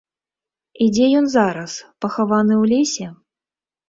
І дзе ён зараз, пахаваны ў лесе?